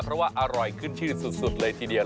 เพราะว่าอร่อยขึ้นชื่อสุดเลยทีเดียว